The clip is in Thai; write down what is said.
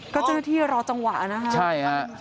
ก็เจ้าหน้าที่รอจังหวะนะคะใช่ฮะ